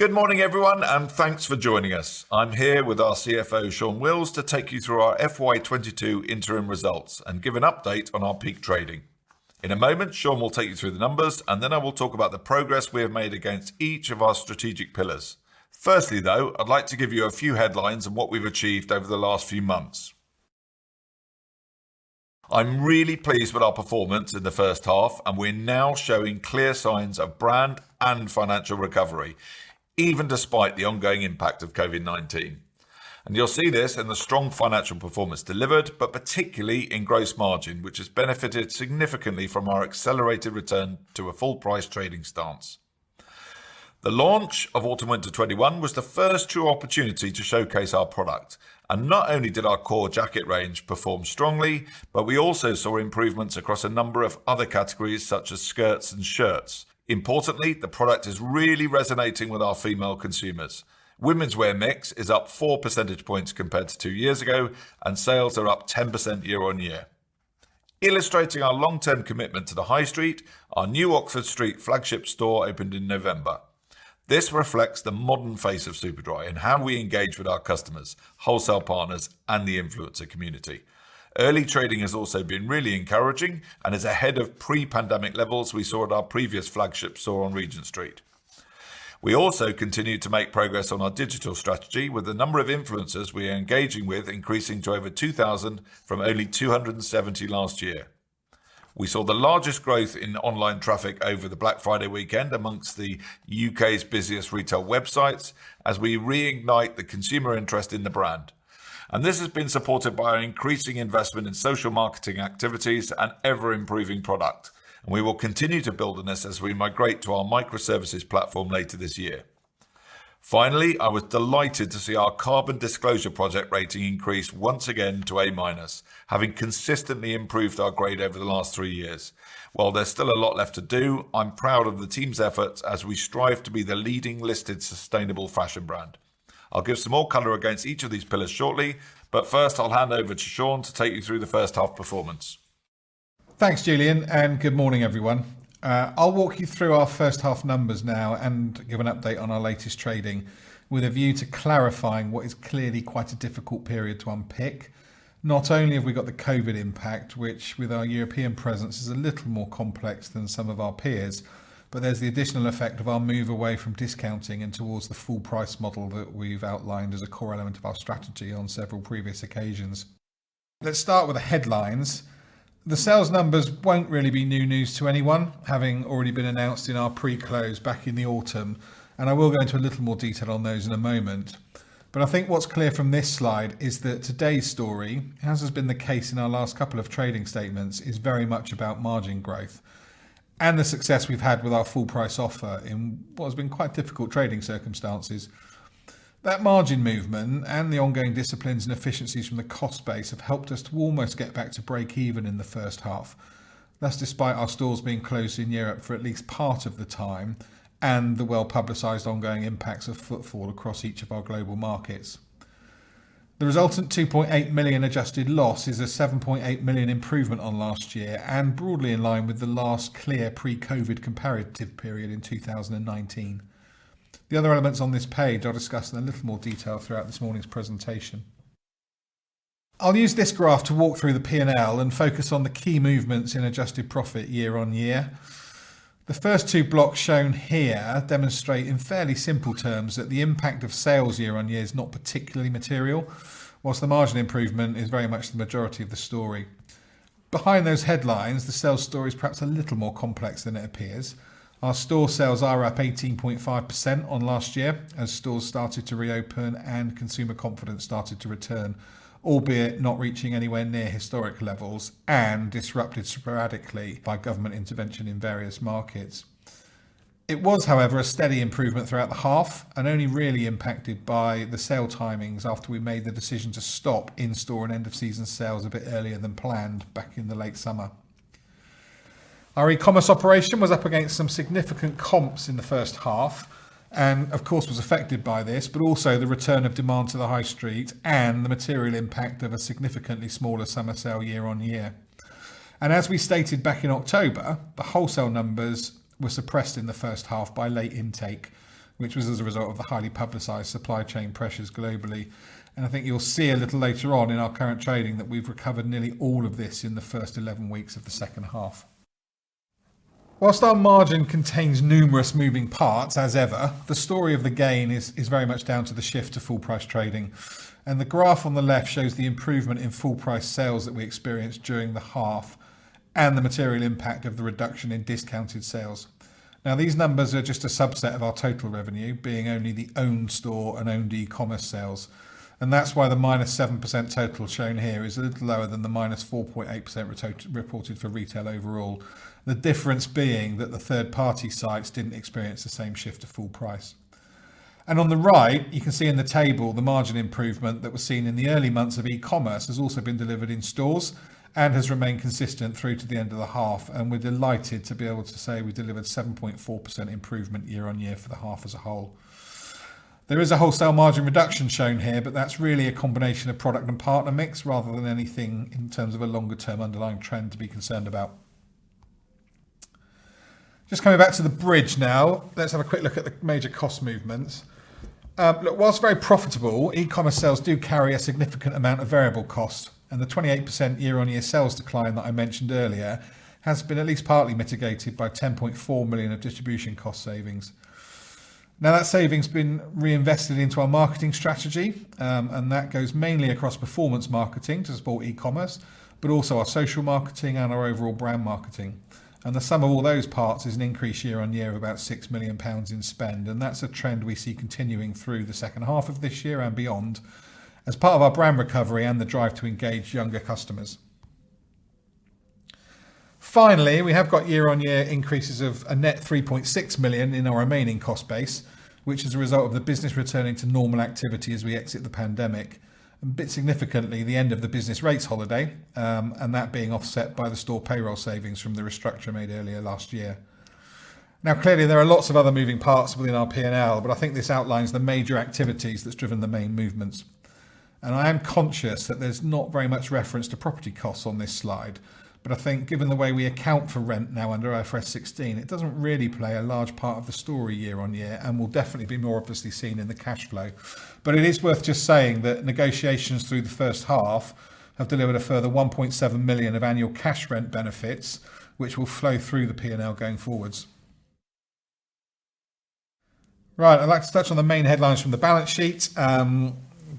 Good morning, everyone, and thanks for joining us. I'm here with our CFO, Shaun Wills, to take you through our FY 2022 interim results and give an update on our peak trading. In a moment, Shaun will take you through the numbers, and then I will talk about the progress we have made against each of our strategic pillars. Firstly, though, I'd like to give you a few headlines on what we've achieved over the last few months. I'm really pleased with our performance in the first half, and we're now showing clear signs of brand and financial recovery, even despite the ongoing impact of COVID-19. You'll see this in the strong financial performance delivered, but particularly in gross margin, which has benefited significantly from our accelerated return to a full price trading stance. The launch of Autumn Winter 21 was the first true opportunity to showcase our product, and not only did our core jacket range perform strongly, but we also saw improvements across a number of other categories such as skirts and shirts. Importantly, the product is really resonating with our female consumers. Women's wear mix is up four percentage points compared to two years ago, and sales are up 10% year-on-year. Illustrating our long-term commitment to the high street, our new Oxford Street flagship store opened in November. This reflects the modern face of Superdry and how we engage with our customers, wholesale partners, and the influencer community. Early trading has also been really encouraging and is ahead of pre-pandemic levels we saw at our previous flagship store on Regent Street. We also continued to make progress on our digital strategy with the number of influencers we are engaging with increasing to over 2,000 from only 270 last year. We saw the largest growth in online traffic over the Black Friday weekend among the U.K.'s busiest retail websites as we reignite the consumer interest in the brand. This has been supported by our increasing investment in social marketing activities and ever improving product. We will continue to build on this as we migrate to our microservices platform later this year. Finally, I was delighted to see our Carbon Disclosure Project rating increase once again to A minus, having consistently improved our grade over the last three years. While there's still a lot left to do, I'm proud of the team's efforts as we strive to be the leading listed sustainable fashion brand. I'll give some more color against each of these pillars shortly, but first, I'll hand over to Shaun to take you through the first half performance. Thanks, Julian, and good morning, everyone. I'll walk you through our first half numbers now and give an update on our latest trading with a view to clarifying what is clearly quite a difficult period to unpick. Not only have we got the COVID impact, which with our European presence is a little more complex than some of our peers, but there's the additional effect of our move away from discounting and towards the full price model that we've outlined as a core element of our strategy on several previous occasions. Let's start with the headlines. The sales numbers won't really be new news to anyone, having already been announced in our pre-close back in the autumn, and I will go into a little more detail on those in a moment. I think what's clear from this slide is that today's story, as has been the case in our last couple of trading statements, is very much about margin growth and the success we've had with our full price offer in what has been quite difficult trading circumstances. That margin movement and the ongoing disciplines and efficiencies from the cost base have helped us to almost get back to break even in the first half. That's despite our stores being closed in Europe for at least part of the time and the well-publicized ongoing impacts of footfall across each of our global markets. The resultant 2.8 million adjusted loss is a 7.8 million improvement on last year and broadly in line with the last clear pre-COVID-19 comparative period in 2019. The other elements on this page I'll discuss in a little more detail throughout this morning's presentation. I'll use this graph to walk through the P&L and focus on the key movements in adjusted profit year-over-year. The first two blocks shown here demonstrate in fairly simple terms that the impact of sales year-over-year is not particularly material, while the margin improvement is very much the majority of the story. Behind those headlines, the sales story is perhaps a little more complex than it appears. Our store sales are up 18.5% on last year as stores started to reopen and consumer confidence started to return, albeit not reaching anywhere near historic levels and disrupted sporadically by government intervention in various markets. It was, however, a steady improvement throughout the half and only really impacted by the sale timings after we made the decision to stop in-store and end of season sales a bit earlier than planned back in the late summer. Our e-commerce operation was up against some significant comps in the first half and of course, was affected by this, but also the return of demand to the high street and the material impact of a significantly smaller summer sale year-on-year. As we stated back in October, the wholesale numbers were suppressed in the first half by late intake, which was as a result of the highly publicized supply chain pressures globally. I think you'll see a little later on in our current trading that we've recovered nearly all of this in the first 11 weeks of the second half. While our margin contains numerous moving parts, as ever, the story of the gain is very much down to the shift to full price trading. The graph on the left shows the improvement in full price sales that we experienced during the half and the material impact of the reduction in discounted sales. Now, these numbers are just a subset of our total revenue, being only the owned store and owned e-commerce sales. That's why the -7% total shown here is a little lower than the -4.8% total reported for retail overall. The difference being that the third-party sites didn't experience the same shift to full price. On the right, you can see in the table the margin improvement that was seen in the early months of e-commerce has also been delivered in stores and has remained consistent through to the end of the half. We're delighted to be able to say we delivered 7.4% improvement year-on-year for the half as a whole. There is a wholesale margin reduction shown here, but that's really a combination of product and partner mix rather than anything in terms of a longer term underlying trend to be concerned about. Just coming back to the bridge now, let's have a quick look at the major cost movements. Look, while very profitable, e-commerce sales do carry a significant amount of variable cost, and the 28% year-on-year sales decline that I mentioned earlier has been at least partly mitigated by 10.4 million of distribution cost savings. Now, that saving's been reinvested into our marketing strategy, and that goes mainly across performance marketing to support e-commerce, but also our social marketing and our overall brand marketing. The sum of all those parts is an increase year-on-year of about 6 million pounds in spend, and that's a trend we see continuing through the second half of this year and beyond as part of our brand recovery and the drive to engage younger customers. Finally, we have got year-on-year increases of a net 3.6 million in our remaining cost base, which is a result of the business returning to normal activity as we exit the pandemic, and most significantly the end of the business rates holiday, and that being offset by the store payroll savings from the restructure made earlier last year. Now, clearly, there are lots of other moving parts within our P&L, but I think this outlines the major activities that's driven the main movements. I am conscious that there's not very much reference to property costs on this slide. I think given the way we account for rent now under IFRS 16, it doesn't really play a large part of the story year-on-year and will definitely be more obviously seen in the cash flow. It is worth just saying that negotiations through the first half have delivered a further 1.7 million of annual cash rent benefits, which will flow through the P&L going forwards. Right, I'd like to touch on the main headlines from the balance sheet.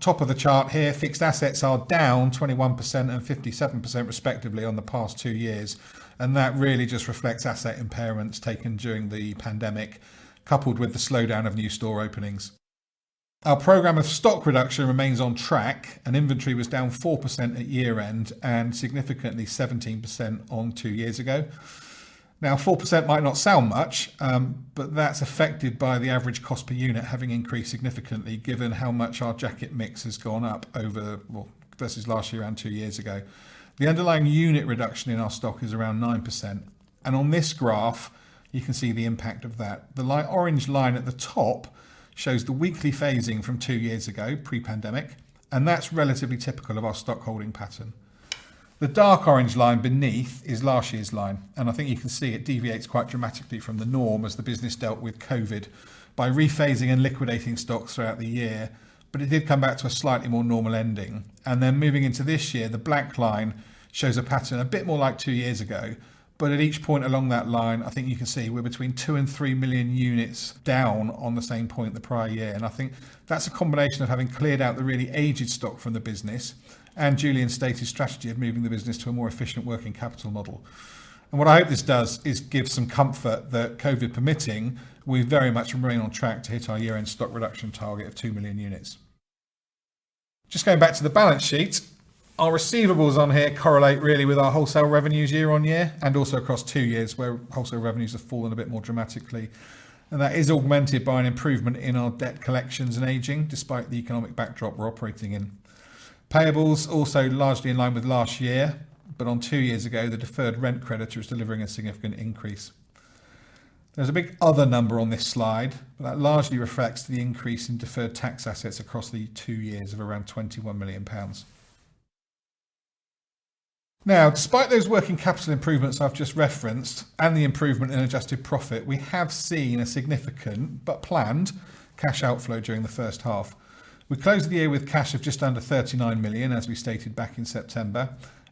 Top of the chart here, fixed assets are down 21% and 57% respectively on the past two years, and that really just reflects asset impairments taken during the pandemic, coupled with the slowdown of new store openings. Our program of stock reduction remains on track, and inventory was down 4% at year-end and significantly 17% on two years ago. Now, 4% might not sound much, but that's affected by the average cost per unit having increased significantly given how much our jacket mix has gone up over well versus last year and two years ago. The underlying unit reduction in our stock is around 9%. On this graph, you can see the impact of that. The light orange line at the top shows the weekly phasing from two years ago pre-pandemic, and that's relatively typical of our stock holding pattern. The dark orange line beneath is last year's line, and I think you can see it deviates quite dramatically from the norm as the business dealt with COVID by rephasing and liquidating stocks throughout the year. It did come back to a slightly more normal ending. Then moving into this year, the black line shows a pattern a bit more like two years ago. At each point along that line, I think you can see we're between 2 and 3 million units down on the same point the prior year. I think that's a combination of having cleared out the really aged stock from the business and Julian stated strategy of moving the business to a more efficient working capital model. What I hope this does is give some comfort that COVID permitting, we very much remain on track to hit our year-end stock reduction target of 2 million units. Just going back to the balance sheet. Our receivables on here correlate really with our wholesale revenues year-on-year and also across two years, where wholesale revenues have fallen a bit more dramatically. That is augmented by an improvement in our debt collections and aging despite the economic backdrop we're operating in. Payables also largely in line with last year, but on two years ago, the deferred rent creditor is delivering a significant increase. There's a big other number on this slide, but that largely reflects the increase in deferred tax assets across the two years of around 21 million pounds. Now, despite those working capital improvements I've just referenced and the improvement in adjusted profit, we have seen a significant but planned cash outflow during the first half. We closed the year with cash of just under 39 million, as we stated back in September,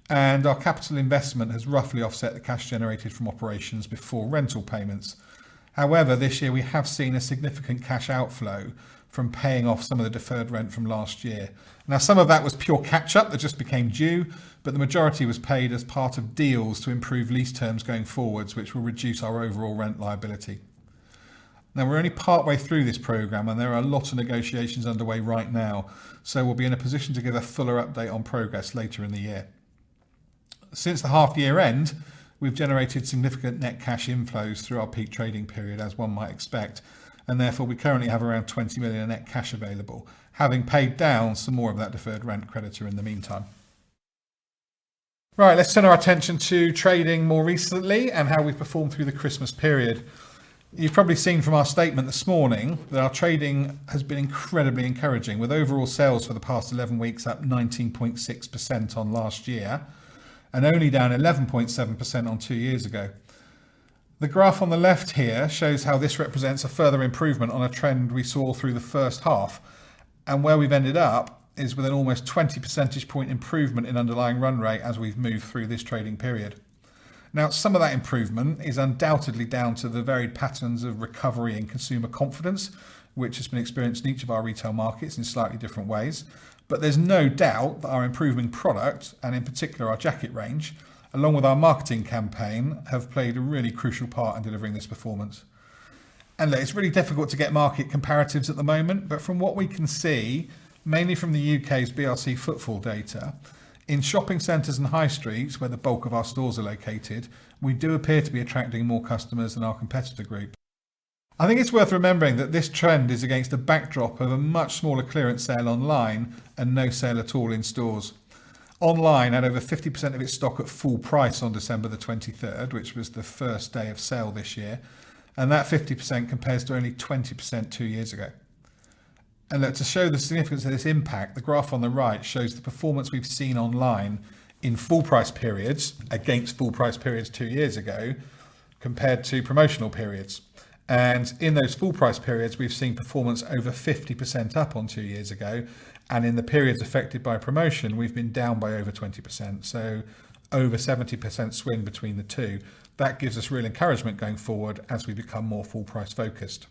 and our capital investment has roughly offset the cash generated from operations before rental payments. However, this year we have seen a significant cash outflow from paying off some of the deferred rent from last year. Now, some of that was pure catch up that just became due, but the majority was paid as part of deals to improve lease terms going forwards, which will reduce our overall rent liability. Now, we're only partway through this program, and there are a lot of negotiations underway right now, so we'll be in a position to give a fuller update on progress later in the year. Since the half year end, we've generated significant net cash inflows through our peak trading period, as one might expect, and therefore, we currently have around 20 million in net cash available, having paid down some more of that deferred rent creditor in the meantime. Right, let's turn our attention to trading more recently and how we've performed through the Christmas period. You've probably seen from our statement this morning that our trading has been incredibly encouraging, with overall sales for the past 11 weeks up 19.6% on last year and only down 11.7% on two years ago. The graph on the left here shows how this represents a further improvement on a trend we saw through the first half, and where we've ended up is with an almost 20 percentage point improvement in underlying run rate as we've moved through this trading period. Now, some of that improvement is undoubtedly down to the varied patterns of recovery and consumer confidence, which has been experienced in each of our retail markets in slightly different ways. There's no doubt that our improving product, and in particular our jacket range, along with our marketing campaign, have played a really crucial part in delivering this performance. It's really difficult to get market comparatives at the moment, but from what we can see, mainly from the U.K.'s BRC footfall data, in shopping centers and high streets where the bulk of our stores are located, we do appear to be attracting more customers than our competitor group. I think it's worth remembering that this trend is against a backdrop of a much smaller clearance sale online and no sale at all in stores. Online had over 50% of its stock at full price on December the 23rd, which was the first day of sale this year, and that 50% compares to only 20% two years ago. That, to show the significance of this impact, the graph on the right shows the performance we've seen online in full price periods against full price periods two years ago, compared to promotional periods. In those full price periods, we've seen performance over 50% up on two years ago, and in the periods affected by promotion, we've been down by over 20%, so over 70% swing between the two. That gives us real encouragement going forward as we become more full price-focused.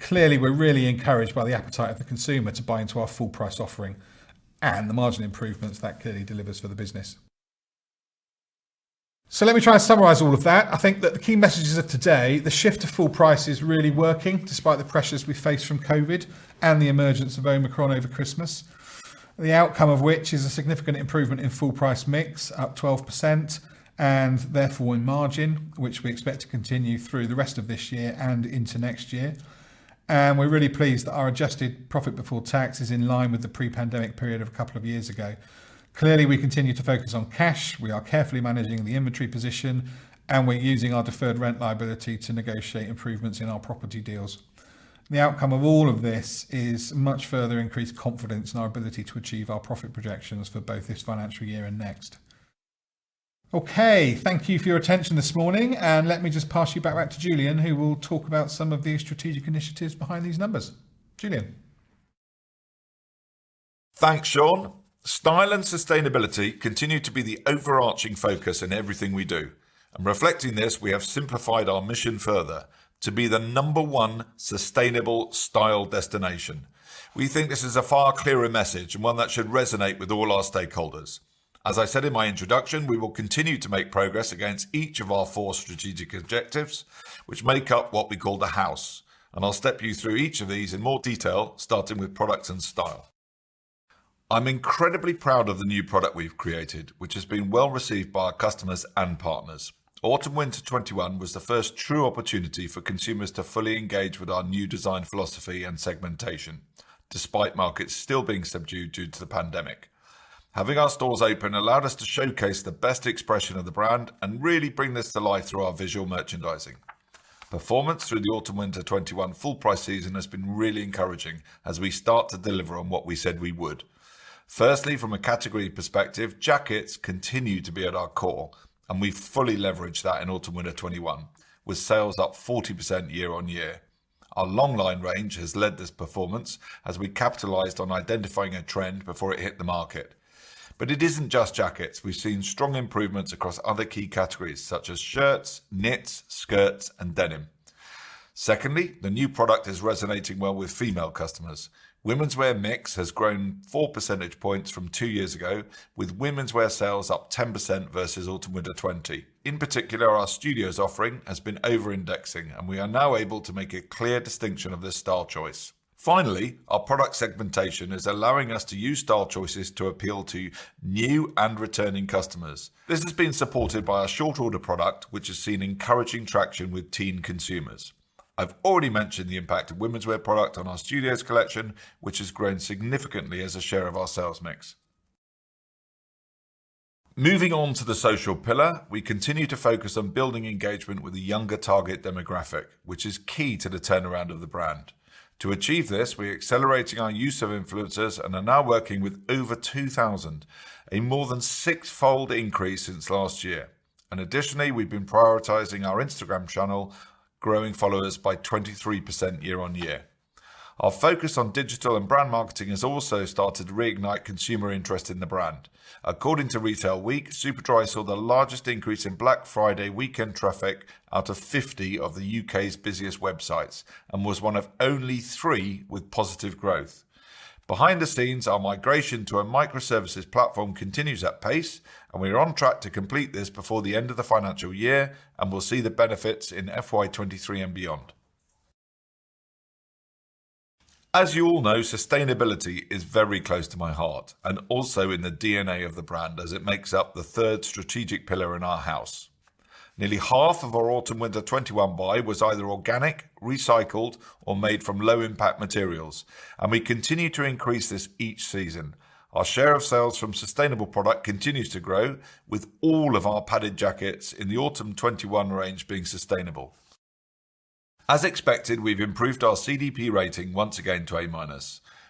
Clearly, we're really encouraged by the appetite of the consumer to buy into our full price offering and the margin improvements that clearly delivers for the business. Let me try and summarize all of that. I think that the key messages of today, the shift to full price is really working despite the pressures we face from COVID and the emergence of Omicron over Christmas, the outcome of which is a significant improvement in full price mix, up 12%, and therefore in margin, which we expect to continue through the rest of this year and into next year. We're really pleased that our adjusted profit before tax is in line with the pre-pandemic period of a couple of years ago. Clearly, we continue to focus on cash. We are carefully managing the inventory position, and we're using our deferred rent liability to negotiate improvements in our property deals. The outcome of all of this is much further increased confidence in our ability to achieve our profit projections for both this financial year and next. Okay. Thank you for your attention this morning, and let me just pass you back to Julian, who will talk about some of the strategic initiatives behind these numbers. Julian. Thanks, Shaun. Style and sustainability continue to be the overarching focus in everything we do. Reflecting this, we have simplified our mission further to be the number one sustainable style destination. We think this is a far clearer message and one that should resonate with all our stakeholders. As I said in my introduction, we will continue to make progress against each of our four strategic objectives, which make up what we call The House, and I'll step you through each of these in more detail, starting with products and style. I'm incredibly proud of the new product we've created, which has been well received by our customers and partners. Autumn/Winter 2021 was the first true opportunity for consumers to fully engage with our new design philosophy and segmentation, despite markets still being subdued due to the pandemic. Having our stores open allowed us to showcase the best expression of the brand and really bring this to life through our visual merchandising. Performance through the Autumn/Winter 2021 full price season has been really encouraging as we start to deliver on what we said we would. Firstly, from a category perspective, jackets continue to be at our core, and we fully leveraged that in Autumn/Winter 2021, with sales up 40% year-over-year. Our long line range has led this performance as we capitalized on identifying a trend before it hit the market. It isn't just jackets. We've seen strong improvements across other key categories such as shirts, knits, skirts, and denim. Secondly, the new product is resonating well with female customers. Women's wear mix has grown 4 percentage points from two years ago, with women's wear sales up 10% versus Autumn/Winter 2020. In particular, our Studios offering has been over-indexing, and we are now able to make a clear distinction of this style choice. Finally, our product segmentation is allowing us to use style choices to appeal to new and returning customers. This has been supported by our short order product, which has seen encouraging traction with teen consumers. I've already mentioned the impact of women's wear product on our Studios collection, which has grown significantly as a share of our sales mix. Moving on to the social pillar, we continue to focus on building engagement with a younger target demographic, which is key to the turnaround of the brand. To achieve this, we're accelerating our use of influencers and are now working with over 2,000, a more than six-fold increase since last year. Additionally, we've been prioritizing our Instagram channel, growing followers by 23% year-on-year. Our focus on digital and brand marketing has also started to reignite consumer interest in the brand. According to Retail Week, Superdry saw the largest increase in Black Friday weekend traffic out of 50 of the U.K.'s busiest websites and was one of only three with positive growth. Behind the scenes, our migration to a microservices platform continues at pace, and we're on track to complete this before the end of the financial year, and we'll see the benefits in FY 2023 and beyond. As you all know, sustainability is very close to my heart and also in the DNA of the brand as it makes up the third strategic pillar in The House. Nearly half of our Autumn/Winter 2021 buy was either organic, recycled, or made from low impact materials, and we continue to increase this each season. Our share of sales from sustainable product continues to grow with all of our padded jackets in the Autumn 2021 range being sustainable. As expected, we've improved our CDP rating once again to A-.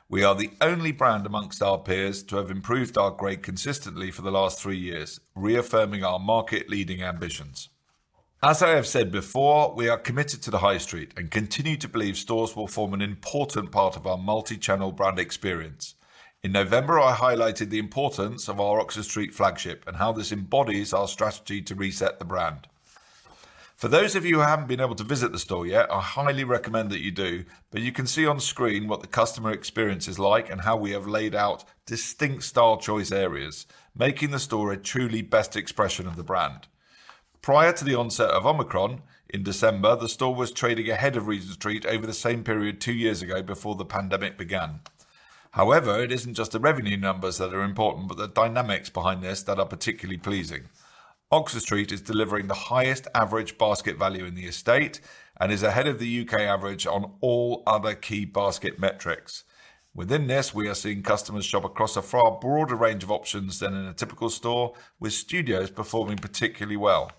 We are the only brand amongst our peers to have improved our grade consistently for the last three years, reaffirming our market leading ambitions. As I have said before, we are committed to the high street and continue to believe stores will form an important part of our multi-channel brand experience. In November, I highlighted the importance of our Oxford Street flagship and how this embodies our strategy to reset the brand. For those of you who haven't been able to visit the store yet, I highly recommend that you do, but you can see on screen what the customer experience is like and how we have laid out distinct style choice areas, making the store a truly best expression of the brand. Prior to the onset of Omicron in December, the store was trading ahead of Regent Street over the same period two years ago before the pandemic began. However, it isn't just the revenue numbers that are important, but the dynamics behind this that are particularly pleasing. Oxford Street is delivering the highest average basket value in the estate and is ahead of the U.K. average on all other key basket metrics. Within this, we are seeing customers shop across a far broader range of options than in a typical store, with Studios performing particularly well.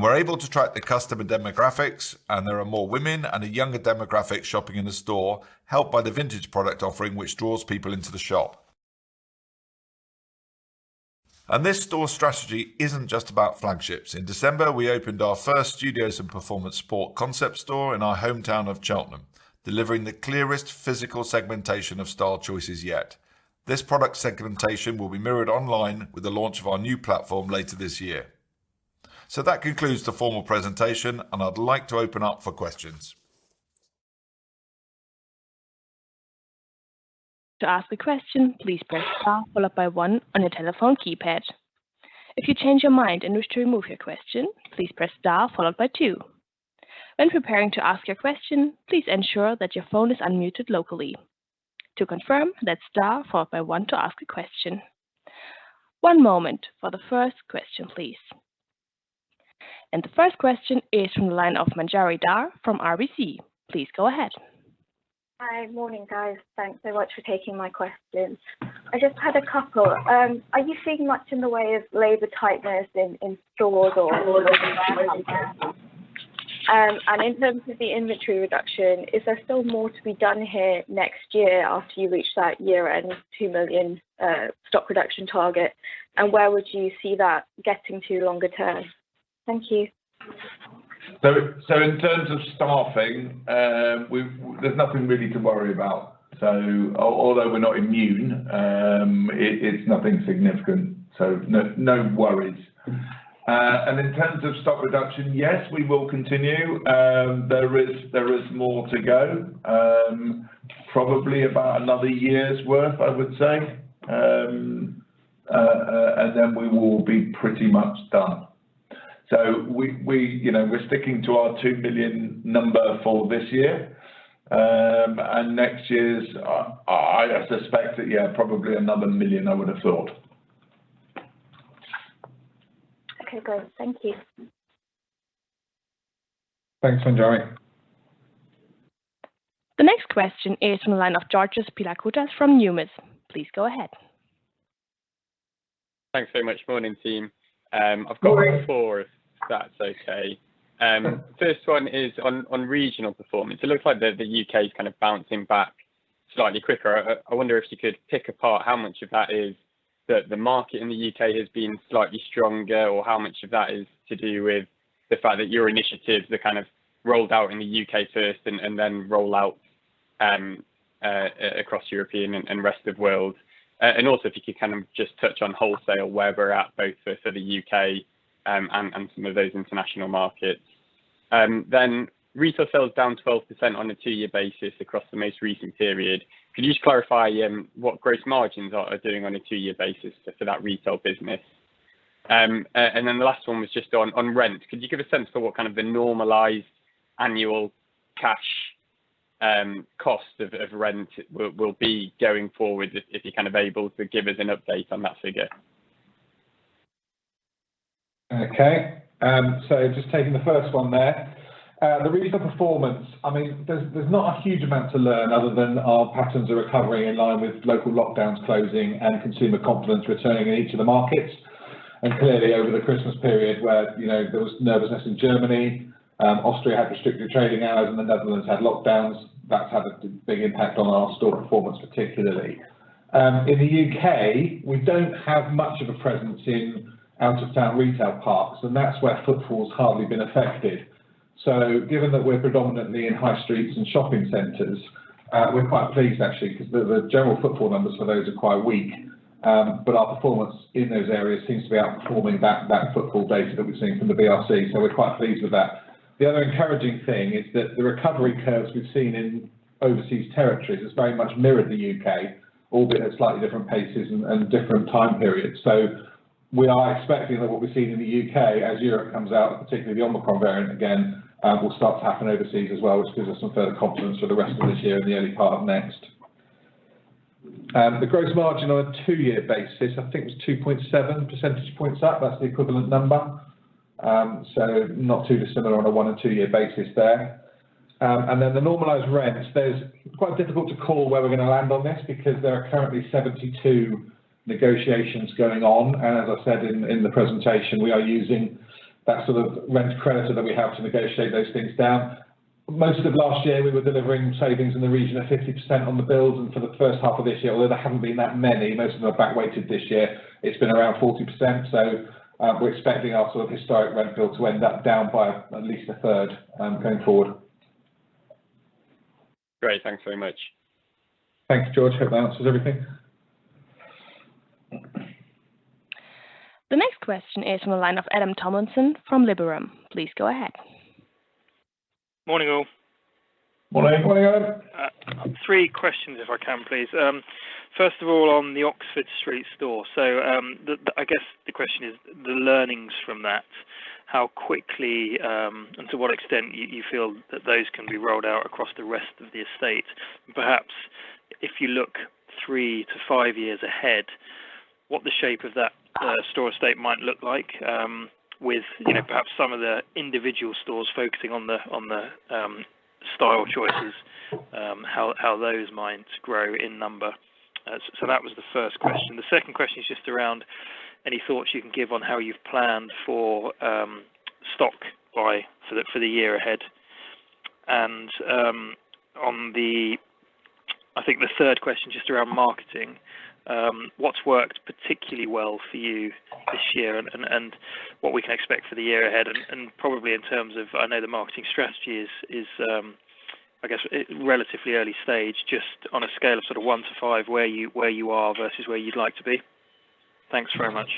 We're able to track the customer demographics, and there are more women and a younger demographic shopping in the store, helped by the vintage product offering, which draws people into the shop. This store strategy isn't just about flagships. In December, we opened our first Studios and Performance Sport concept store in our hometown of Cheltenham, delivering the clearest physical segmentation of style choices yet. This product segmentation will be mirrored online with the launch of our new platform later this year. That concludes the formal presentation, and I'd like to open up for questions. To ask a question, please press star followed by one on your telephone keypad. If you change your mind and wish to remove your question, please press star followed by two. When preparing to ask your question, please ensure that your phone is unmuted locally. To confirm, that's star followed by one to ask a question. One moment for the first question, please. The first question is from the line of Manjari Dhar from RBC. Please go ahead. Hi. Morning, guys. Thanks so much for taking my questions. I just had a couple. Are you seeing much in the way of labor tightness in stores or and in terms of the inventory reduction, is there still more to be done here next year after you reach that year-end 2 million stock reduction target? Where would you see that getting to longer term? Thank you. In terms of staffing, there's nothing really to worry about. Although we're not immune, it's nothing significant, so no worries. In terms of stock reduction, yes, we will continue. There is more to go, probably about another year's worth, I would say. Then we will be pretty much done. We, you know, we're sticking to our 2 million number for this year. Next year's, I suspect that, yeah, probably another 1 million I would have thought. Okay, great. Thank you. Thanks, Manjari. The next question is from the line of Georgios Pilakoutas from Numis. Please go ahead. Thanks very much. Morning, team. I've got four- Morning... if that's okay. First one is on regional performance. It looks like the U.K. is kind of bouncing back slightly quicker. I wonder if you could pick apart how much of that is the market in the U.K. has been slightly stronger, or how much of that is to do with the fact that your initiatives are kind of rolled out in the U.K. first and then roll out across Europe and rest of world. And also if you could kind of just touch on wholesale, where we're at both for the U.K. and some of those international markets. Retail sales down 12% on a two-year basis across the most recent period. Could you just clarify what gross margins are doing on a two-year basis for that retail business? The last one was just on rent. Could you give a sense for what kind of the normalized annual cash cost of rent will be going forward if you're kind of able to give us an update on that figure? Okay. Just taking the first one there. The regional performance, I mean, there's not a huge amount to learn other than our patterns are recovering in line with local lockdowns closing and consumer confidence returning in each of the markets. Clearly over the Christmas period where, you know, there was nervousness in Germany, Austria had restricted trading hours and the Netherlands had lockdowns, that's had a big impact on our store performance particularly. In the U.K., we don't have much of a presence in out of town retail parks, and that's where footfall has hardly been affected. Given that we're predominantly in high streets and shopping centers, we're quite pleased actually, 'cause the general footfall numbers for those are quite weak. Our performance in those areas seems to be outperforming that footfall data that we've seen from the BRC, so we're quite pleased with that. The other encouraging thing is that the recovery curves we've seen in overseas territories has very much mirrored the U.K., albeit at slightly different paces and different time periods. We are expecting that what we've seen in the U.K. as Europe comes out, particularly the Omicron variant again, will start to happen overseas as well, which gives us some further confidence for the rest of this year and the early part of next. The gross margin on a two-year basis, I think it was 2.7 percentage points up. That's the equivalent number. Not too dissimilar on a one and two year basis there. The normalized rent, there's It's quite difficult to call where we're gonna land on this because there are currently 72 negotiations going on, and as I said in the presentation, we are using that sort of rent credit that we have to negotiate those things down. Most of last year we were delivering savings in the region of 50% on the bills, and for the first half of this year, although there haven't been that many, most of them are back weighted this year, it's been around 40%. We're expecting our sort of historic rent bill to end up down by at least a third, going forward. Great. Thanks very much. Thanks, George. Hope that answers everything. The next question is from a line of Adam Tomlinson from Liberum. Please go ahead. Morning, all. Morning, Adam. Three questions if I can please. First of all, on the Oxford Street store. I guess the question is the learnings from that. How quickly, and to what extent you feel that those can be rolled out across the rest of the estate? Perhaps if you look three to five years ahead, what the shape of that store estate might look like, with you know, perhaps some of the individual stores focusing on the style choices, how those might grow in number. That was the first question. The second question is just around any thoughts you can give on how you've planned for stock buy for the year ahead. I think the third question just around marketing, what's worked particularly well for you this year and what we can expect for the year ahead? Probably in terms of, I know the marketing strategy is, I guess, relatively early stage, just on a scale of sort of one to five, where you are versus where you'd like to be. Thanks very much.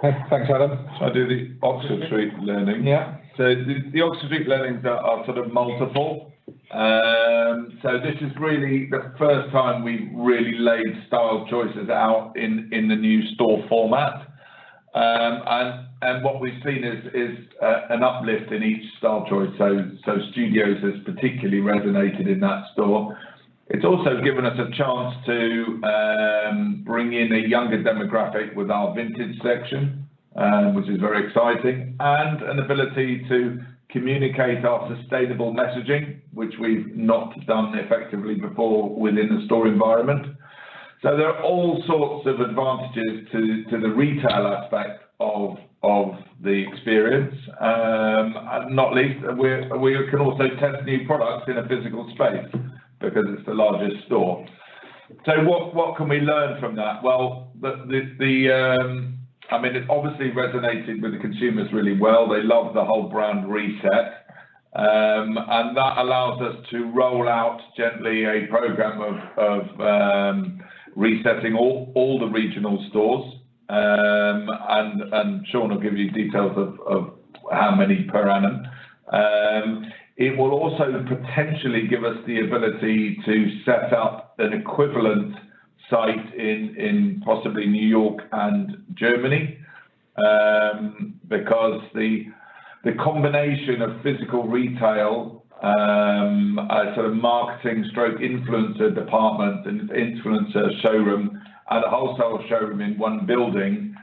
Thanks, Adam. Shall I do the Oxford Street learning? Yeah. The Oxford Street learnings are sort of multiple. This is really the first time we really laid style choices out in the new store format. What we've seen is an uplift in each style choice. Studios has particularly resonated in that store. It's also given us a chance to bring in a younger demographic with our vintage section, which is very exciting, and an ability to communicate our sustainable messaging, which we've not done effectively before within a store environment. There are all sorts of advantages to the retail aspect of the experience. Not least, we can also test new products in a physical space because it's the largest store. What can we learn from that? I mean, it obviously resonated with the consumers really well. They loved the whole brand reset. That allows us to roll out gently a program of resetting all the regional stores. Shaun will give you details of how many per annum. It will also potentially give us the ability to set up an equivalent site in possibly New York and Germany, because the combination of physical retail, a sort of marketing stroke influencer department and influencer showroom and a wholesale showroom in one building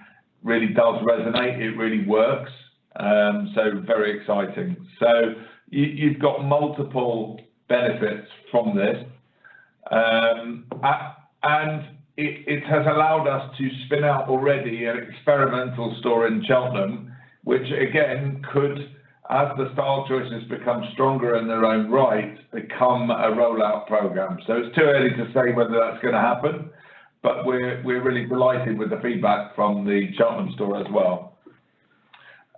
really does resonate. It really works. Very exciting. You've got multiple benefits from this. It has allowed us to spin out already an experimental store in Cheltenham, which again could, as the style choices become stronger in their own right, become a rollout program. It's too early to say whether that's gonna happen, but we're really delighted with the feedback from the Cheltenham store as well.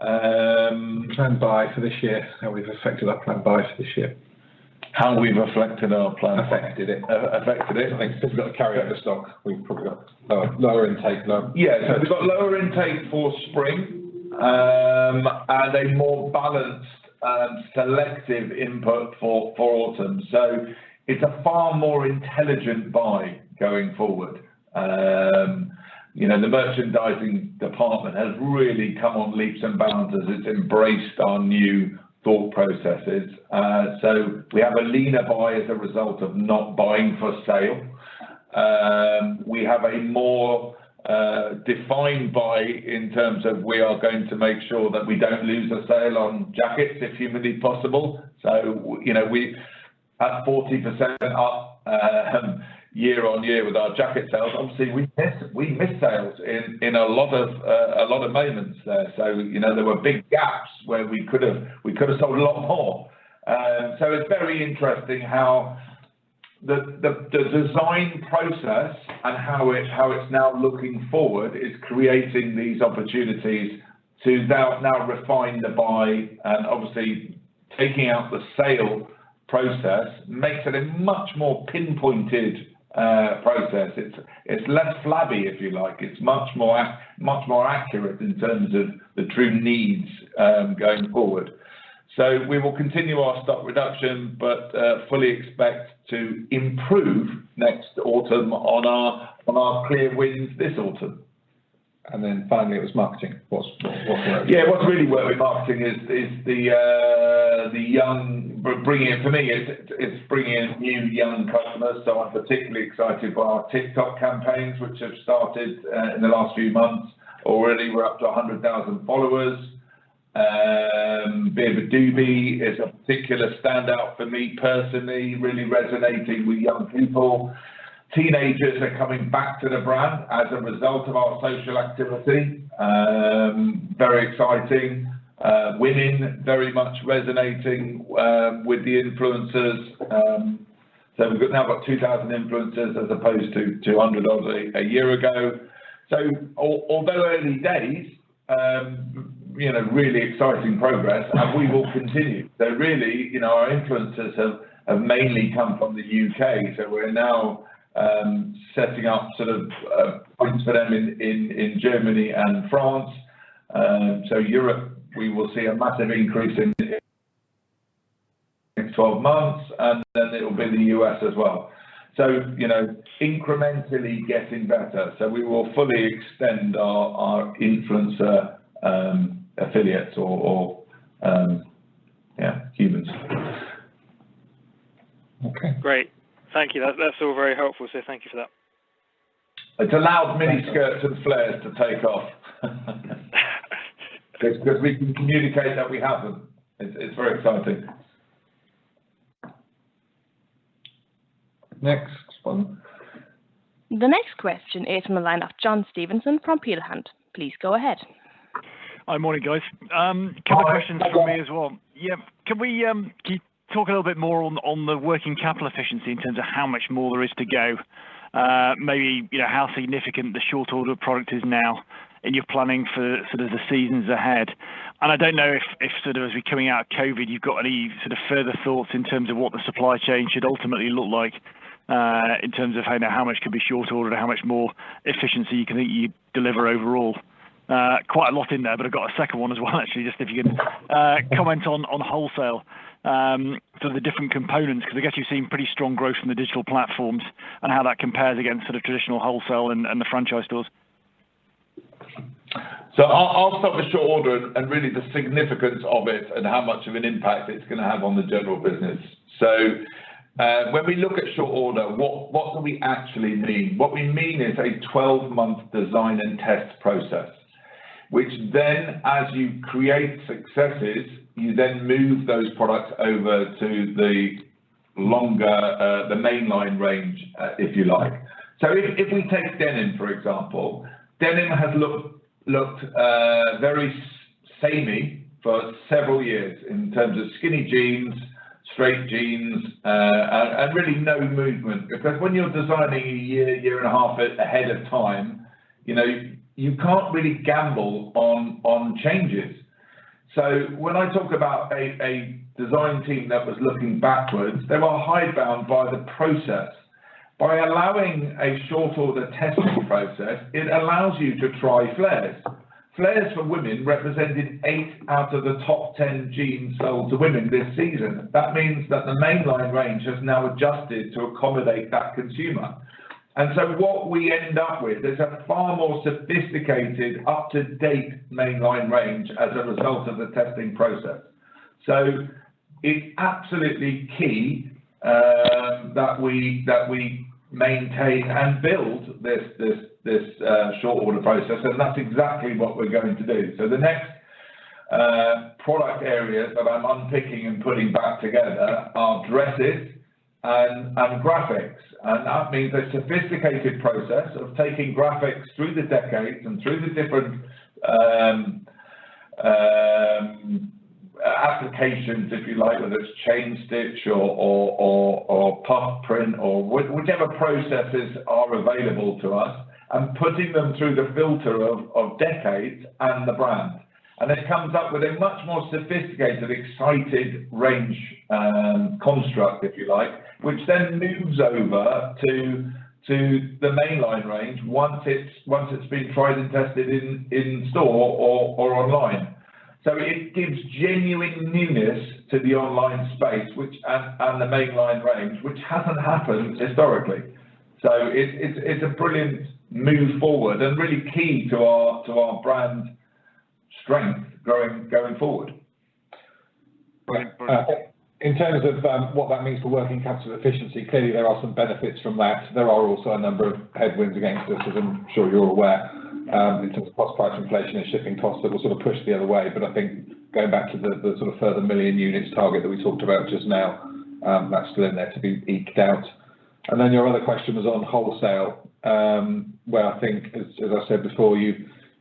Planned buy for this year, how we've affected it. I think 'cause we've got carryover stock, we've probably got lower intake now. Yeah. We've got lower intake for spring, and a more balanced, selective input for autumn. It's a far more intelligent buy going forward. You know, the merchandising department has really come on leaps and bounds as it's embraced our new thought processes. We have a leaner buy as a result of not buying for sale. We have a more defined buy in terms of we are going to make sure that we don't lose a sale on jackets if humanly possible. You know, we had 40% up year-on-year with our jacket sales. Obviously, we miss sales in a lot of moments there. You know, there were big gaps where we could have sold a lot more. It's very interesting how the design process and how it's now looking forward is creating these opportunities to now refine the buy, and obviously taking out the sale process makes it a much more pinpointed process. It's less flabby, if you like. It's much more ac... Much more accurate in terms of the true needs, going forward. We will continue our stock reduction, but fully expect to improve next autumn on our clear wins this autumn. Finally, it was marketing. What's worked? Yeah. What's really worked with marketing is bringing in new young customers, so I'm particularly excited by our TikTok campaigns, which have started in the last few months. Already we're up to 100,000 followers. Beard of Dublin is a particular standout for me personally, really resonating with young people. Teenagers are coming back to the brand as a result of our social activity. Very exciting. Women very much resonating with the influencers. So we've got- ...2,000 influencers as opposed to 200 odd a year ago. Although early days, you know, really exciting progress and we will continue. Really, you know, our influencers have mainly come from the U.K. We're now setting up sort of points for them in Germany and France. Europe, we will see a massive increase in 12 months, and then it'll be in the U.S. as well. You know, incrementally getting better. We will fully extend our influencer affiliates or yeah, humans. Great. Thank you. That's all very helpful, so thank you for that. It allows miniskirts and flares to take off. It's 'cause we can communicate that we have them. It's very exciting. Next one. The next question is from the line of John Stevenson from Peel Hunt. Please go ahead. Hi. Morning, guys. Couple of questions- Hi... from me as well. Yeah. Can you talk a little bit more on the working capital efficiency in terms of how much more there is to go? Maybe, you know, how significant the short order product is now in your planning for sort of the seasons ahead. I don't know if sort of as we're coming out of COVID, you've got any sort of further thoughts in terms of what the supply chain should ultimately look like, in terms of how much can be short order and how much more efficiency you can deliver overall. Quite a lot in there, but I've got a second one as well actually, just if you can comment on wholesale, sort of the different components, 'cause I guess you've seen pretty strong growth in the digital platforms and how that compares against sort of traditional wholesale and the franchise stores. I'll start with short order and really the significance of it and how much of an impact it's gonna have on the general business. When we look at short order, what do we actually mean? What we mean is a 12-month design and test process, which then as you create successes, you then move those products over to the longer, the mainline range, if you like. If we take denim, for example, denim has looked very samey for several years in terms of skinny jeans, straight jeans, and really no movement because when you're designing a year and a half ahead of time, you know, you can't really gamble on changes. When I talk about a design team that was looking backwards, they were hidebound by the process. By allowing a short order testing process, it allows you to try flares. Flares for women represented 8 out of the top 10 jeans sold to women this season. That means that the mainline range has now adjusted to accommodate that consumer. What we end up with is a far more sophisticated, up-to-date mainline range as a result of the testing process. It's absolutely key that we maintain and build this short order process, and that's exactly what we're going to do. The next product area that I'm unpicking and putting back together are dresses and graphics, and that means a sophisticated process of taking graphics through the decades and through the different applications, if you like, whether it's chain stitch or puff print or whichever processes are available to us and putting them through the filter of decades and the brand. It comes up with a much more sophisticated, excited range construct, if you like, which then moves over to the mainline range once it's been tried and tested in store or online. It gives genuine newness to the online space and the mainline range, which hasn't happened historically. It's a brilliant move forward and really key to our brand strength going forward. In terms of what that means for working capital efficiency, clearly there are some benefits from that. There are also a number of headwinds against us, as I'm sure you're aware, in terms of cost-price inflation and shipping costs that will sort of push the other way. I think going back to the sort of further million units target that we talked about just now, that's still in there to be eked out. Then your other question was on wholesale, where I think, as I said before,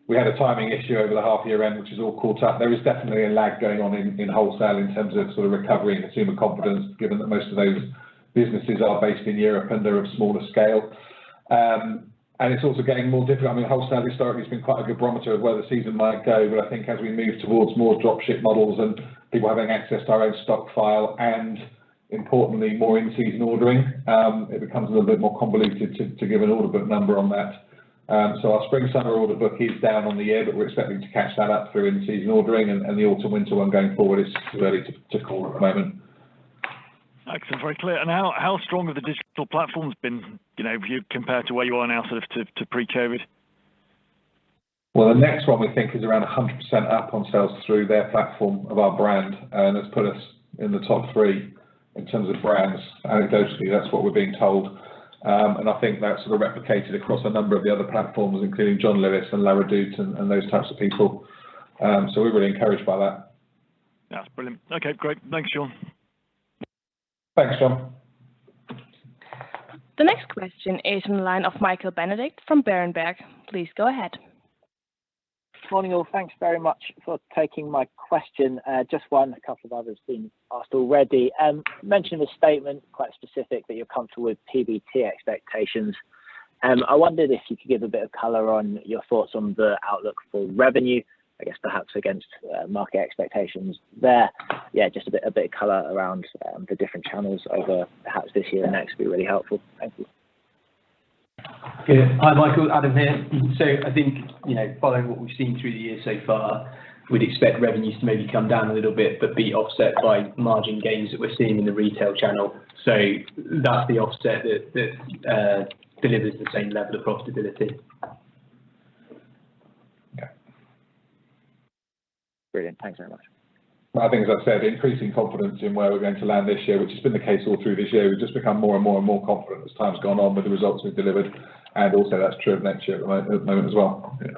we had a timing issue over the half-year end, which has all caught up. There is definitely a lag going on in wholesale in terms of sort of recovery and consumer confidence given that most of those businesses are based in Europe and they're of smaller scale. It's also getting more difficult. I mean, wholesale historically has been quite a good barometer of where the season might go, but I think as we move towards more drop ship models and people having access to our own stock file and importantly, more in-season ordering, it becomes a little bit more convoluted to give an order book number on that. Our spring/summer order book is down on the year, but we're expecting to catch that up through in-season ordering and the autumn/winter one going forward is too early to call at the moment. Excellent. Very clear. How strong have the digital platforms been, you know, viewed compared to where you are now sort of to pre-COVID? Well, the Next one we think is around 100% up on sales through their platform of our brand, and it's put us in the top three in terms of brands. Anecdotally, that's what we're being told. I think that's sort of replicated across a number of the other platforms, including John Lewis and La Redoute and those types of people. We're really encouraged by that. That's brilliant. Okay, great. Thanks, Julian. Thanks, John. The next question is on the line of Michael Benedict from Berenberg. Please go ahead. Morning, all. Thanks very much for taking my question. Just one, a couple of others been asked already. You mentioned in the statement, quite specific, that you're comfortable with PBT expectations. I wondered if you could give a bit of color on your thoughts on the outlook for revenue, I guess perhaps against market expectations there. Yeah, just a bit of color around the different channels over perhaps this year and next would be really helpful. Thank you. Hi, Michael, Adding there. I think, you know, following what we've seen through the year so far, we'd expect revenues to maybe come down a little bit but be offset by margin gains that we're seeing in the retail channel. That's the offset that delivers the same level of profitability. Yeah. Brilliant. Thanks very much. I think, as I've said, increasing confidence in where we're going to land this year, which has been the case all through this year. We've just become more and more confident as time's gone on with the results we've delivered, and also that's true of next year at the moment as well. Yeah.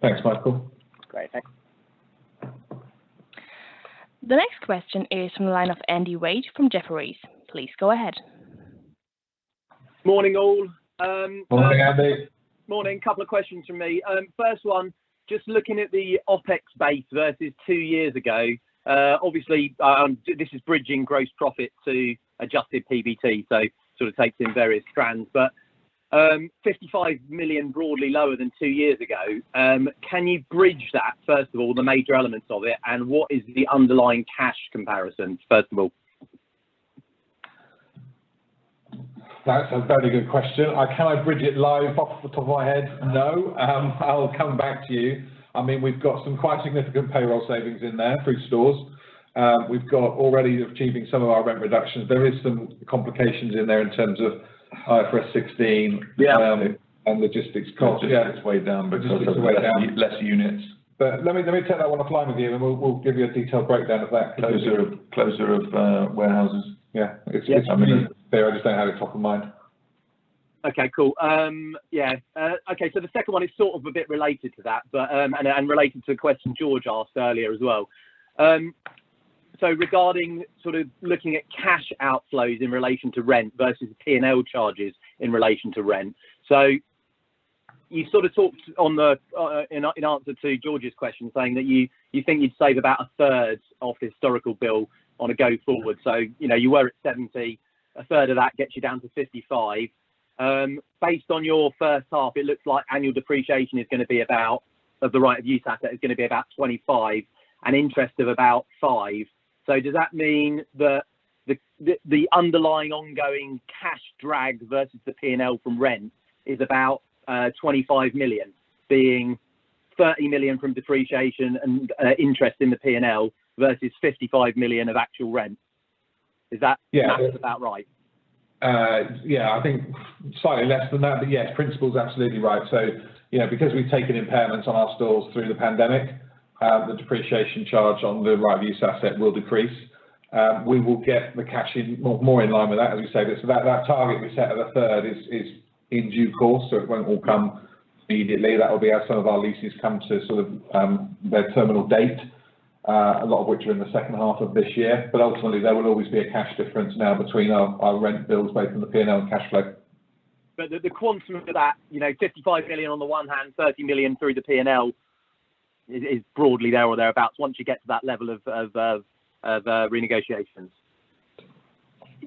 Thanks, Michael. Great. Thanks. The next question is from the line of Andy Wade from Jefferies. Please go ahead. Morning, all. Morning, Andy. Morning. Couple of questions from me. First one, just looking at the OpEx base versus two years ago, obviously, this is bridging gross profit to adjusted PBT, so sort of takes in various strands. 55 million broadly lower than two years ago. Can you bridge that, first of all, the major elements of it, and what is the underlying cash comparison, first of all? That's a very good question. Can I bridge it live off the top of my head? No. I'll come back to you. I mean, we've got some quite significant payroll savings in there through stores. We've got already achieving some of our rent reductions. There is some complications in there in terms of IFRS 16- Yeah ...logistics costs. Logistics is way down because- Logistics are way down. ...less units. Let me take that one offline with you, and we'll give you a detailed breakdown of that- Closure of warehouses. Yeah. It's, I mean, they just don't have it top of mind. Okay, cool. Yeah. Okay, the second one is sort of a bit related to that, but and related to the question George asked earlier as well. Regarding sort of looking at cash outflows in relation to rent versus P&L charges in relation to rent. You sort of talked on the in answer to George's question, saying that you think you'd save about a third off the historical bill on a going forward. You know, you were at 70, a third of that gets you down to 55. Based on your first half, it looks like annual depreciation is gonna be about of the right-of-use asset, is gonna be about 25, and interest of about 5%. Does that mean the underlying ongoing cash drag versus the P&L from rent is about 25 million, being 30 million from depreciation and interest in the P&L versus 55 million of actual rent? Is that- Yeah ...math about right? Yeah, I think slightly less than that, but yes, principle is absolutely right. You know, because we've taken impairments on our stores through the pandemic, the depreciation charge on the right-of-use asset will decrease. We will get the cash in more in line with that, as we said. It's that target we set of a third is in due course, so it won't all come immediately. That will be as some of our leases come to sort of their terminal date, a lot of which are in the second half of this year. But ultimately, there will always be a cash difference now between our rent bills both from the P&L and cash flow. The quantum of that, you know, 55 million on the one hand, 30 million through the P&L, is broadly there or thereabouts once you get to that level of renegotiations.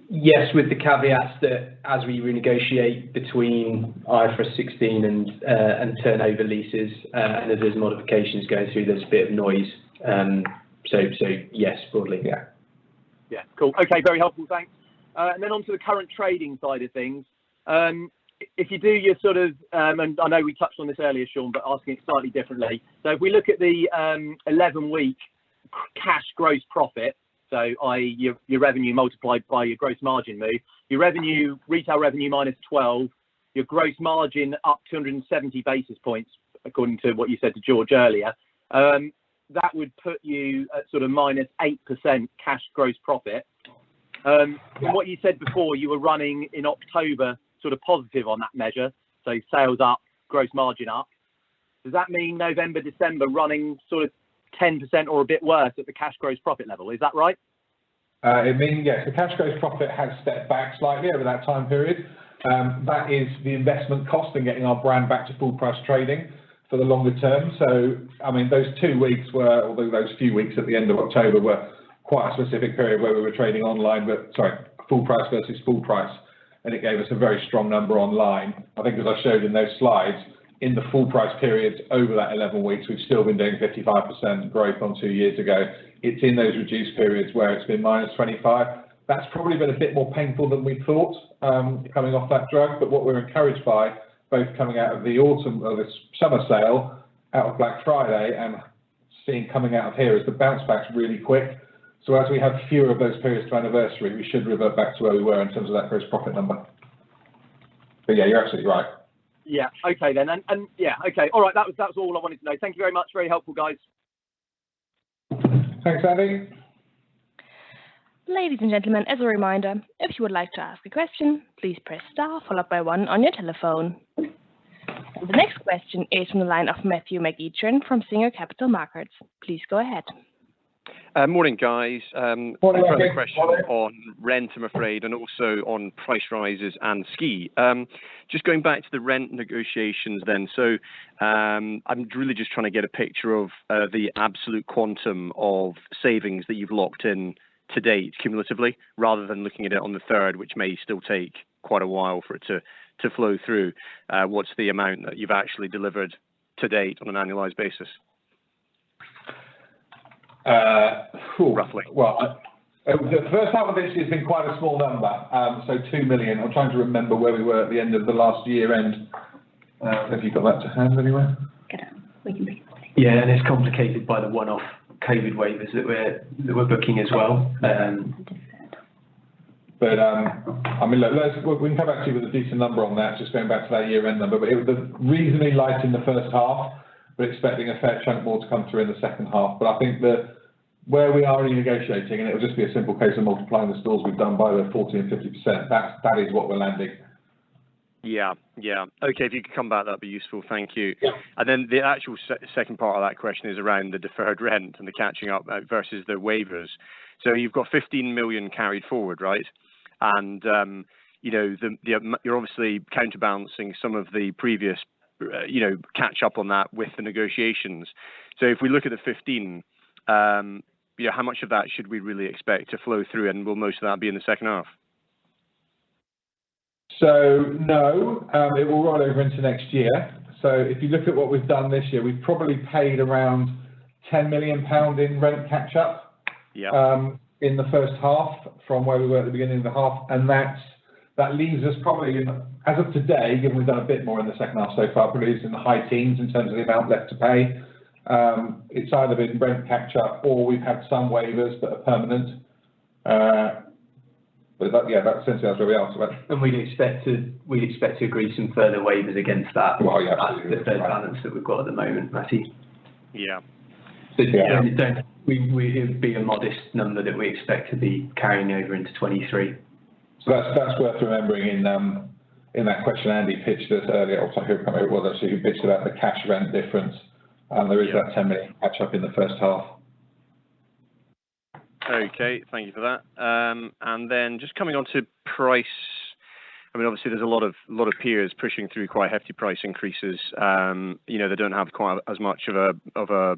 Yes, with the caveat that as we renegotiate between IFRS 16 and turnover leases, and as there's modifications going through, there's a bit of noise. So yes, broadly, yeah. Yeah. Cool. Okay, very helpful, thanks. Then onto the current trading side of things. If you do your sort of, and I know we touched on this earlier, Shaun, but asking it slightly differently. If we look at the eleven-week cash gross profit, i.e. your revenue multiplied by your gross margin move, your revenue, retail revenue -12, your gross margin up 270 basis points according to what you said to George earlier, that would put you at sort of -8% cash gross profit. From what you said before, you were running in October sort of positive on that measure, sales up, gross margin up. Does that mean November, December running sort of 10% or a bit worse at the cash gross profit level? Is that right? It means, yes, the cash gross profit has stepped back slightly over that time period. That is the investment cost in getting our brand back to full price trading for the longer term. I mean, those two weeks were, or those few weeks at the end of October were quite a specific period where we were trading online, but sorry, full price versus full price, and it gave us a very strong number online. I think as I showed in those slides, in the full price period over that 11 weeks, we've still been doing 55% growth on two years ago. It's in those reduced periods where it's been -25%. That's probably been a bit more painful than we thought, coming off that drag, but what we're encouraged by, both coming out of the autumn, of the summer sale, out of Black Friday, and seeing coming out of here, is the bounce back's really quick. As we have fewer of those periods to anniversary, we should revert back to where we were in terms of that gross profit number. Yeah, you're absolutely right. Yeah, alright. That was all I wanted to know. Thank you very much. Very helpful, guys. Thanks, Andy. Ladies and gentlemen, as a reminder, if you would like to ask a question, please press star followed by one on your telephone. The next question is from the line of Matthew McEachran from Singer Capital Markets. Please go ahead. Morning, guys. Morning, Matthew. I've got a question on rent, I'm afraid, and also on price rises and ski. Just going back to the rent negotiations then. I'm really just trying to get a picture of the absolute quantum of savings that you've locked in to date cumulatively, rather than looking at it on the third, which may still take quite a while for it to flow through. What's the amount that you've actually delivered to date on an annualized basis? Roughly. Well, the H1 of this year has been quite a small number, so 2 million. I'm trying to remember where we were at the end of the last year end. Have you got that to hand anywhere? Get it. We can bring it up. Yeah, it's complicated by the one-off COVID waivers that we're booking as well. I did see it. I mean, look, we have actually a decent number on that, just going back to that year-end number, but it was reasonably light in the first half. We're expecting a fair chunk more to come through in the second half. I think that where we are in negotiating, and it would just be a simple case of multiplying the stores we've done by the 40% and 50%. That is what we're landing. Yeah. Okay, if you could come back, that'd be useful. Thank you. Yeah. The actual second part of that question is around the deferred rent and the catching up versus the waivers. You've got 15 million carried forward, right? You're obviously counterbalancing some of the previous catch up on that with the negotiations. If we look at the 15 million, how much of that should we really expect to flow through? Will most of that be in the second half? No, it will roll over into next year. If you look at what we've done this year, we've probably paid around 10 million pound in rent catch-up- Yeah In the first half from where we were at the beginning of the half, and that leaves us. As of today, given we've done a bit more in the H2 so far, probably is in the high teens in terms of the amount left to pay. It's either been rent catch-up or we've had some waivers that are permanent. But yeah, that's essentially where we are. We'd expect to agree some further waivers against that. Oh, yeah, absolutely. That, the third balance that we've got at the moment, Matty. Yeah. Yeah. It'd be a modest number that we expect to be carrying over into 2023. That's worth remembering in that question Andy pitched us earlier or I can't remember who it was actually who pitched about the cash rent difference. There is that 10 million catch-up in the first half. Okay, thank you for that. Just coming on to price, I mean, obviously there's a lot of peers pushing through quite hefty price increases. You know, they don't have quite as much of a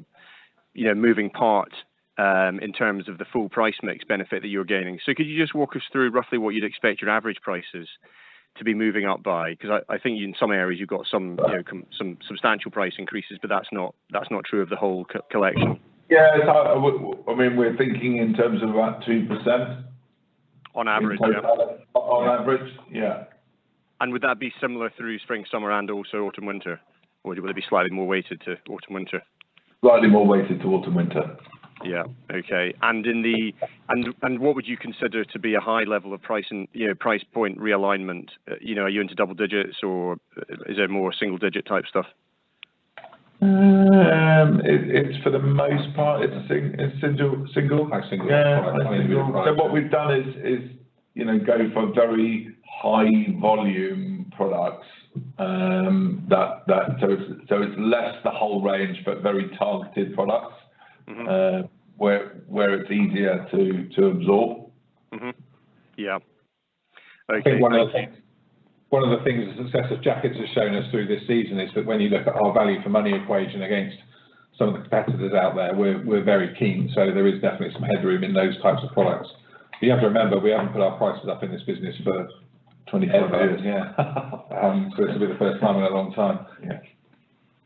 you know, moving part in terms of the full price mix benefit that you're gaining. Could you just walk us through roughly what you'd expect your average prices to be moving up by? 'Cause I think in some areas you've got some you know, some substantial price increases, but that's not true of the whole collection. Yeah, it's hard. I mean, we're thinking in terms of about 2%. On average, yeah. On average, yeah. Would that be similar through spring, summer, and also autumn, winter? Or would it be slightly more weighted to autumn, winter? Slightly more weighted to Autumn, Winter. Yeah. Okay. What would you consider to be a high level of pricing, you know, price point realignment? You know, are you into double digits or is it more single digit type stuff? It's for the most part, it's single. Like single. Yeah. I think single price. What we've done is, you know, go for very high volume products. It's less the whole range, but very targeted products- Mm-hmm ...where it's easier to absorb. Yeah. Okay. I think one of the things the success of jackets has shown us through this season is that when you look at our value for money equation against some of the competitors out there, we're very keen, so there is definitely some headroom in those types of products. You have to remember, we haven't put our prices up in this business for- 25 years ...ever, yeah. This will be the first time in a long time. Yeah.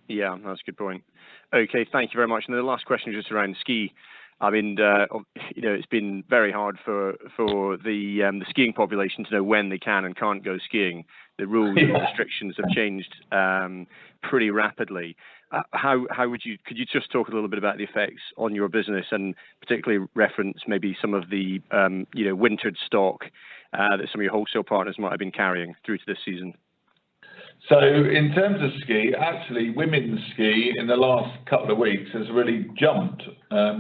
Yeah. No, that's a good point. Okay. Thank you very much. The last question just around ski. I mean, you know, it's been very hard for the skiing population to know when they can and can't go skiing. The rules and restrictions have changed pretty rapidly. Could you just talk a little bit about the effects on your business and particularly reference maybe some of the, you know, winter stock that some of your wholesale partners might have been carrying through to this season? In terms of ski, actually women's ski in the last couple of weeks has really jumped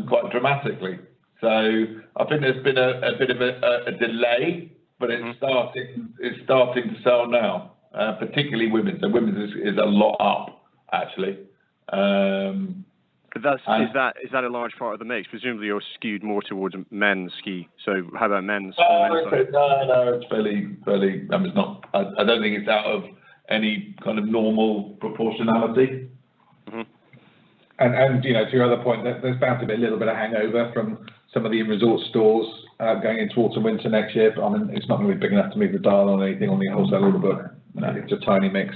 quite dramatically. I think there's been a bit of a delay, but it's starting to sell now, particularly women's. Women's is a lot up actually. Is that a large part of the mix? Presumably you're skewed more towards men's ski. How about men's ski? No, no. It's fairly. I mean, it's not. I don't think it's out of any kind of normal proportionality. Mm-hmm. you know, to your other point, there's bound to be a little bit of hangover from some of the resort stores going into autumn, winter next year, but I mean, it's nothing really big enough to move the dial on anything on the wholesale order book. No. It's a tiny mix.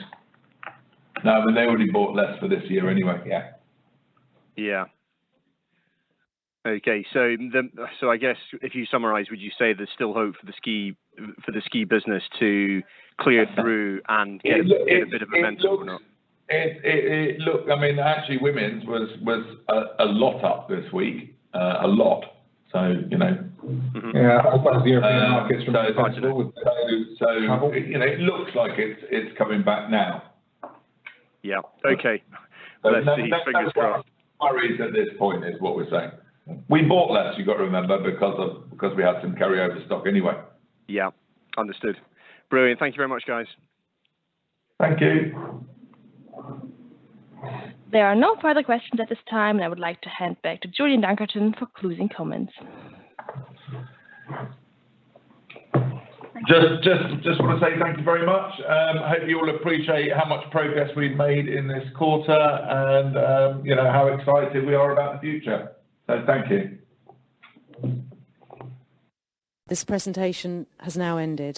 No, but they would've bought less for this year anyway. Yeah. Yeah. Okay. I guess if you summarize, would you say there's still hope for the ski business to clear through and get a bit of momentum or not? Look, I mean, actually women's was a lot up this week. A lot. You know. Mm-hmm. Yeah. All part of the European markets from what I can see. So, so- Travel You know, it looks like it's coming back now. Yeah. Okay. That's where our- Let's see if figures grow out. ...query is at this point what we're saying. We bought less, you got to remember, because we had some carry over stock anyway. Yeah. Understood. Brilliant. Thank you very much, guys. Thank you. There are no further questions at this time, and I would like to hand back to Julian Dunkerton for closing comments. Thank you. Just wanna say thank you very much. I hope you all appreciate how much progress we've made in this quarter and, you know, how excited we are about the future. Thank you. This presentation has now ended.